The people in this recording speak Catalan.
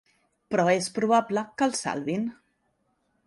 Però és probable que el salvin.